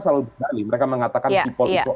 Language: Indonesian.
selalu berkali mereka mengatakan sipol itu